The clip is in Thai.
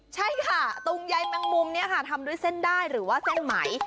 ใช่ค่ะตุงใยแมงมุมนี้ค่ะทำด้วยเส้นได้หรือว่าเส้นไหม